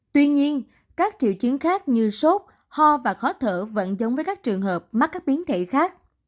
tuy nhiên các triệu chứng khác như sốt ho và khó thở vẫn giống với các trường hợp mắc các biến thể khác